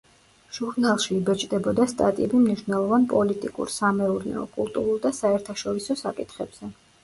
ჟურნალში იბეჭდებოდა სტატიები მნიშვნელოვან პოლიტიკურ, სამეურნეო, კულტურულ და საერთაშორისო საკითხებზე.